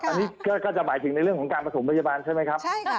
อันนี้ก็จะไหมถึงในเรื่องของการผสมประชาบาลใช่มั้ยครับ